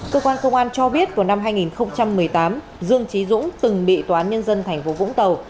cơ quan công an cho biết vào năm hai nghìn một mươi tám dương trí dũng từng bị toán nhân dân thành phố vũng tàu